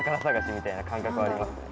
みたいな感覚はありますね。